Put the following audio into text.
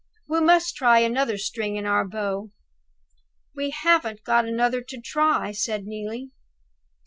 We must try another string to our bow." "We haven't got another to try," said Neelie.